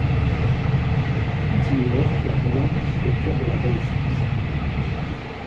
Tout y évoque la riante architecture de la Renaissance.